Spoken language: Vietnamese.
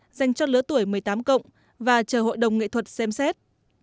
trong lứa tuổi một mươi tám cộng và chờ hội đồng nghệ thuật xem xét